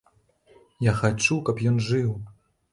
Я хачу, каб ён жыў.